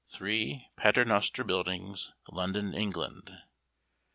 3 PATERNOSTER BUILDINGS, LONDON, ENGLAND.